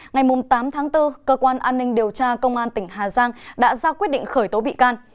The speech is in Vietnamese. ngày tám tháng bốn cơ quan an ninh điều tra công an tỉnh hà giang đã ra quyết định khởi tố bị can